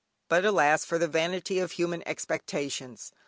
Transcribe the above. But alas for the vanity of human expectations.